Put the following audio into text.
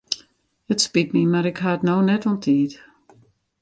It spyt my mar ik ha it no net oan tiid.